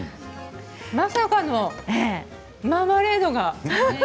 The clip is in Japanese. まさかのマーマレードが。